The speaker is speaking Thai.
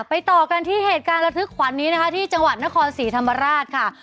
ต่อกันที่เหตุการณ์ระทึกขวัญนี้นะคะที่จังหวัดนครศรีธรรมราชค่ะ